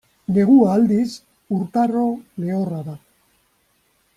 Negua aldiz, urtaro lehorra da.